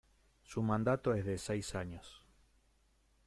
Su mandato es de seis años.